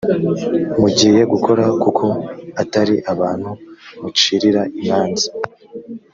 mugiye gukora kuko atari abantu mucirira imanza